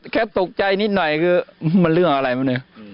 แค่ตกใจนิดหน่อยคือมันเรื่องอะไรมันเนี่ย